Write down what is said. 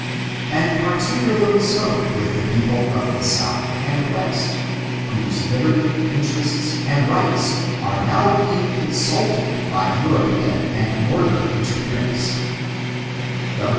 And particularly so with the people of the South and West, whose liberty, interests, and rights* are now being insulted by European and Northern interference.